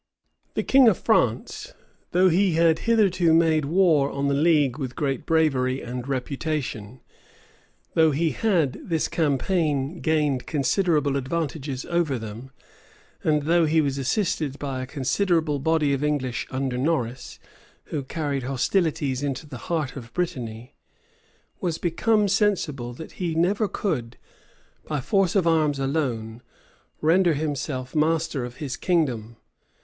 The king of France, though he had hitherto made war on the league with great bravery and reputation, though he had this campaign gained considerable advantages over them, and though he was assisted by a considerable body of English under Norris, who carried hostilities into the heart of Brittany, was become sensible that he never could, by force of arms alone, render himself master of his kingdom.